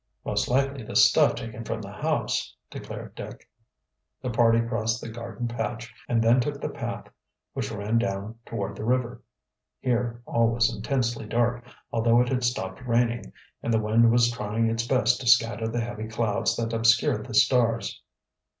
"Most likely the stuff taken from the house," declared Dick. The party crossed the garden patch and then took to the path which ran down toward the river. Here all was intensely dark, although it had stopped raining, and the wind was trying its best to scatter the heavy clouds that obscured the stars.